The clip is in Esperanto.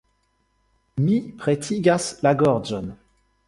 Mi pretigas la gorĝon.